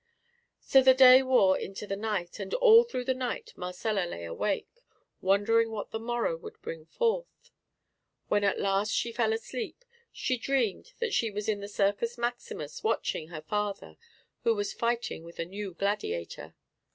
So the day wore into the night, and all through the night Marcella lay awake, wondering what the morrow would bring forth. When at last she fell asleep she dreamed that she was in the Circus Maximus watching her father, who was fighting with a new gladiator.